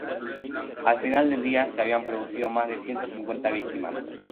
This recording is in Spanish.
Al final del día, se habían producido más de ciento cincuenta víctimas.